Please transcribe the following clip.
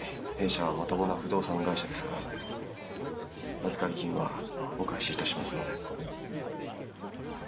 弊社はまともな不動産会社ですから預かり金はお返しいたしますので。